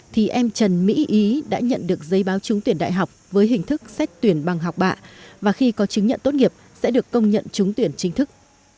thì em trần mỹ ý đã nhận được giấy báo trúng tuyển đại học với hình thức xét tuyển bằng học bạ và khi có chứng nhận tốt nghiệp sẽ được công nhận trúng tuyển chính thức